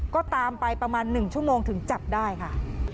ก็ตามไปประมาณ๑ชั่วโมงถึงจับได้ค่ะ